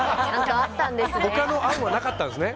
他の案はなかったんですね。